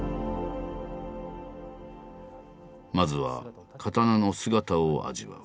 まずは刀の姿を味わう。